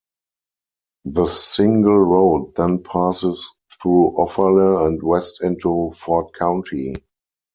The single road then passes through Offerle and west into Ford County.